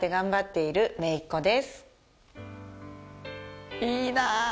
いいな。